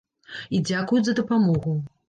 І дзякуюць за дапамогу.